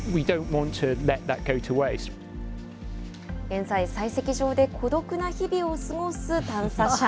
現在、採石場で孤独な日々を過ごす探査車。